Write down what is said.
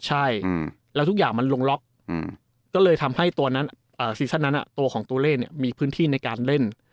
ใช่แล้วทุกอย่างมันลงล็อกก็เลยทำให้ตัวนั้นซีซั่นนั้นตัวของตัวเลขมีพื้นที่ในการเล่น